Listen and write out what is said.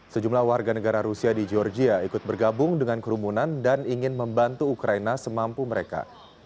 sejumlah warga negara rusia di georgia ikut bergabung dengan kerumunan dan ingin membantu ukraina semampu mereka